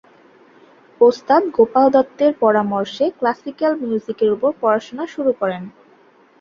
ওস্তাদ গোপাল দত্তের পরামর্শে ক্লাসিক্যাল মিউজিক এর উপর পড়াশোনা শুরু করেন।